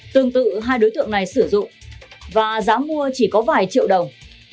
tương tự hai đối tượng này sử dụng và giá mua chỉ có vài triệu đồng